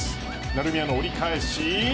成宮の折り返し